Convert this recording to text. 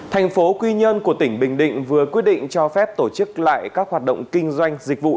thành phố quy nhơn của tỉnh bình định vừa quyết định cho phép tổ chức lại các hoạt động kinh doanh dịch vụ